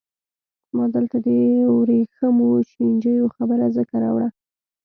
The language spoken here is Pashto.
ما دلته د ورېښمو چینجیو خبره ځکه راوړه.